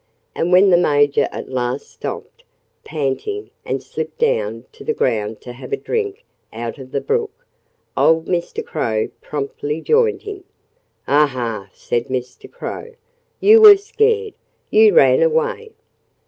And when the Major at last stopped, panting, and slipped down to the ground to have a drink out of the brook, old Mr. Crow promptly joined him. "Aha!" said Mr. Crow. "You were scared. You ran away!"